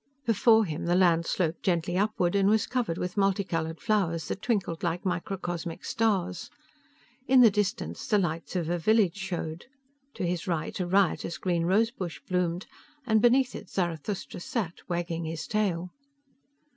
Before him, the land sloped gently upward, and was covered with multicolored flowers that twinkled like microcosmic stars. In the distance, the lights of a village showed. To his right, a riotous green rose bush bloomed, and beneath it Zarathustra sat, wagging his tail.